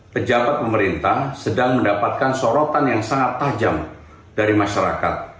pejabat pemerintah sedang mendapatkan sorotan yang sangat tajam dari masyarakat